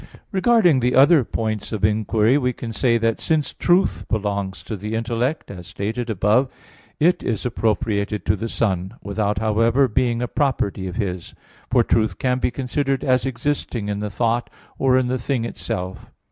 Regarding the other points of inquiry, we can say that since "truth" belongs to the intellect, as stated above (Q. 16, A. 1), it is appropriated to the Son, without, however, being a property of His. For truth can be considered as existing in the thought or in the thing itself.